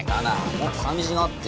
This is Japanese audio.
もっと寂しがってよ。